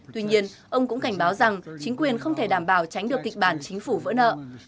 tuy nhiên ông cũng cảnh báo rằng chính quyền không thể đảm bảo tránh được kịch bản chính phủ vỡ nợ